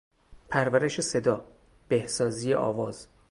پرورش صدا، بهسازی آواز